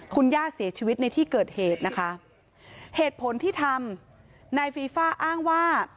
คุณย่าเสียชีวิตในที่เกิดเหตุนะคะเหตุผลที่ทำนายฟีฟ่าอ้างว่า